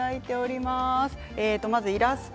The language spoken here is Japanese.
まず、イラスト。